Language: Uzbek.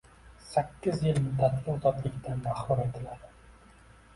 Sakkiz yil muddatga ozodlikdan mahrum etiladi.